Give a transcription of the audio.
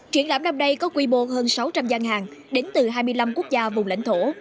triển lãm năm nay có quy mô hơn sáu trăm linh gian hàng đến từ hai mươi năm quốc gia vùng lãnh thổ